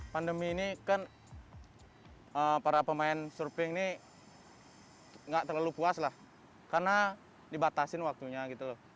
pandemi ini kan para pemain surfing ini nggak terlalu puas lah karena dibatasin waktunya gitu loh